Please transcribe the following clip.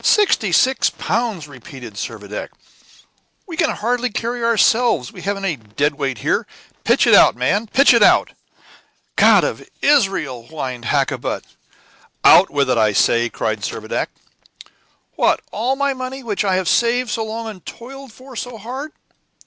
"Sixty six pounds!" repeated Servadac. "We can hardly carry ourselves; we can't have any dead weight here. Pitch it out, man, pitch it out!" "God of Israel!" whined Hakkabut. "Out with it, I say!" cried Servadac. "What, all my money, which I have saved so long, and toiled for so hard?"